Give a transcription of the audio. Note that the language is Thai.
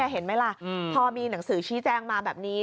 เห็นไหมล่ะพอมีหนังสือชี้แจงมาแบบนี้